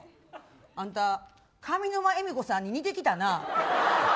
あんた上沼恵美子さんに似てきたな。